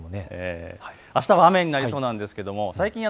あしたは雨になりそうなんです。